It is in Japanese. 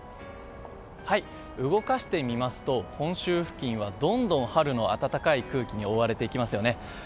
動かしてみますと本州付近はどんどん春の暖かい空気に覆われていきますね。